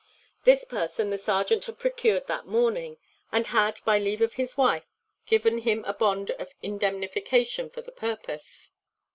This person the serjeant had procured that morning, and had, by leave of his wife, given him a bond of indemnification for the purpose.